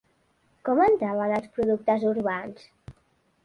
Com entraven els productes urbans?